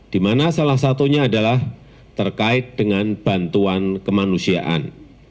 di mana salah satunya adalah terkait dengan bantuan kemanusiaan